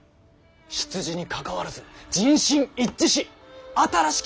出自にかかわらず人心一致し新しき